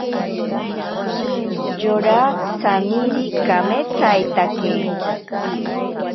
Yora tsamiri kametsaitake.